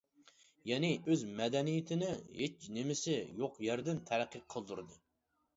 يەنى، ئۆز مەدەنىيىتىنى ھېچ نېمىسى يوق يەردىن تەرەققىي قىلدۇردى.